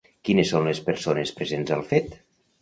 Quines són les persones presents al fet?